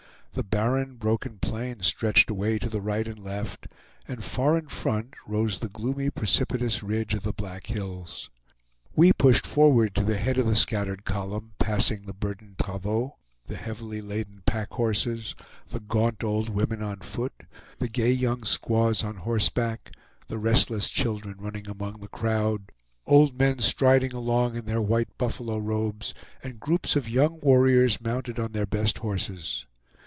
The barren, broken plain stretched away to the right and left, and far in front rose the gloomy precipitous ridge of the Black Hills. We pushed forward to the head of the scattered column, passing the burdened travaux, the heavily laden pack horses, the gaunt old women on foot, the gay young squaws on horseback, the restless children running among the crowd, old men striding along in their white buffalo robes, and groups of young warriors mounted on their best horses.